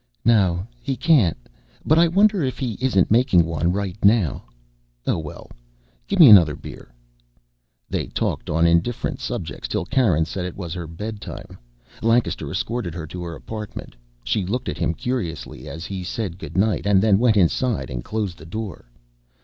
"No, he can't. But I wonder if he isn't making one right now. Oh, well. Give me another beer." They talked on indifferent subjects till Karen said it was her bedtime. Lancaster escorted her to her apartment. She looked at him curiously as he said good night, and then went inside and closed the door.